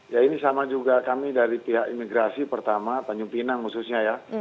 ya ini sama juga kami dari pihak imigrasi pertama tanjung pinang khususnya ya